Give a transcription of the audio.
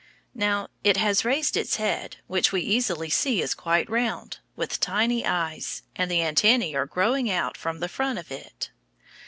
Now it has raised its head, which we easily see is quite round, with tiny eyes, and the antennæ are growing out from the front of it.